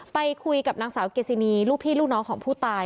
ไปคุยกับนางสาวเกซินีลูกพี่ลูกน้องของผู้ตาย